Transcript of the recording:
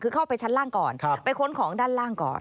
คือเข้าไปชั้นล่างก่อนไปค้นของด้านล่างก่อน